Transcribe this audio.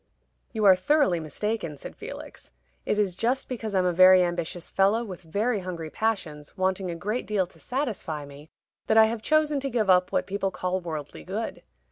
"You are thoroughly mistaken," said Felix. "It is just because I'm a very ambitious fellow, with very hungry passions, wanting a great deal to satisfy me, that I have chosen to give up what people call worldly good.